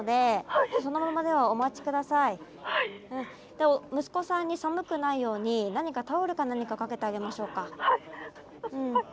で息子さんに寒くないように何かタオルか何か掛けてあげましょうか。